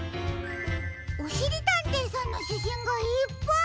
おしりたんていさんのしゃしんがいっぱい！